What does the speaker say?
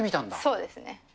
そうですね。